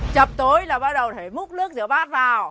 chập tối là bắt đầu thể múc nước giữa ba